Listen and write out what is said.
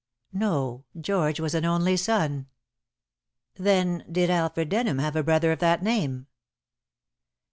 "No. George was an only son." "Then did Alfred Denham have a brother of that name?"